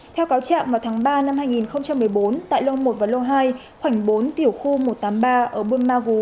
theo cáo chạm vào tháng ba năm hai nghìn một mươi bốn tại lông một và lông hai khoảng bốn tiểu khu một trăm tám mươi ba ở buôn ma gú